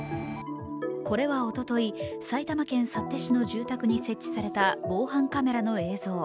これはおととい、埼玉県幸手市の住宅に設置された防犯カメラの映像。